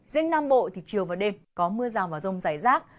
riêng nam bộ thì chiều và đêm có mưa rào và rông rải rác